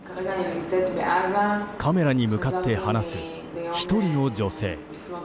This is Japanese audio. カメラに向かって話す１人の女性。